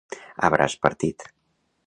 A braç partit.